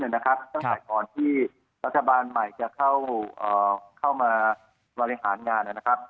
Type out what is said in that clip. ตั้งแต่ก่อนที่รัฐบาลใหม่จะเข้ามาบริหารงานนะครับ